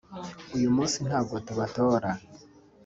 uyu munsi ntabwo tubatora